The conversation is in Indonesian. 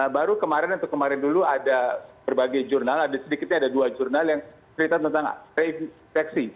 baru kemarin atau kemarin dulu ada berbagai jurnal ada sedikitnya ada dua jurnal yang cerita tentang reinfeksi